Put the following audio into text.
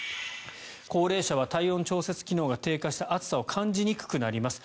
高齢者は体温調節機能が低下して暑さを感じにくくなります。